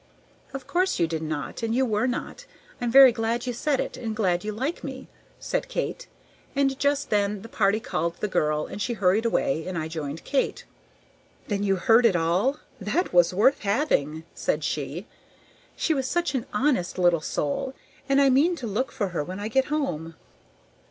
"Of course you did not, and you were not. I am very glad you said it, and glad you like me," said Kate; and just then the party called the girl, and she hurried away, and I joined Kate. "Then you heard it all. That was worth having!" said she. "She was such an honest little soul, and I mean to look for her when I get home."